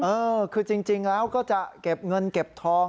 เออคือจริงแล้วก็จะเก็บเงินเก็บทอง